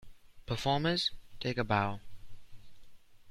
Performers, take a bow!